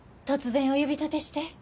突然お呼び立てして。